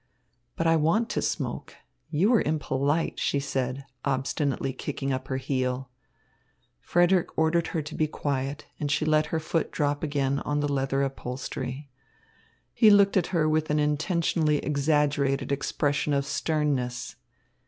"But I want to smoke. You are impolite," she said, obstinately kicking up her heel. Frederick ordered her to be quiet, and she let her foot drop again on the leather upholstery. He looked at her with an intentionally exaggerated expression of sternness.